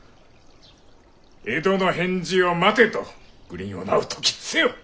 江戸の返事を待てとグリンをなお説き伏せよ。